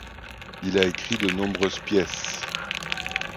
Il a écrit de nombreuses pièces.